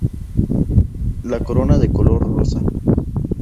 La corola de color rosa.